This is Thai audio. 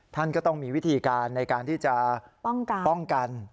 ท่านก็ต้องมีวิธีการในการที่จะป้องกัน